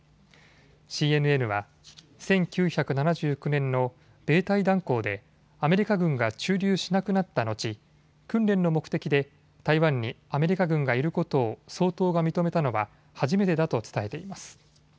ＣＮＮは、１９７９年の米台断交でアメリカ軍が駐留しなくなった後、訓練の目的で台湾にアメリカ軍がいることを総統が認めたのは初めてだと伝えています。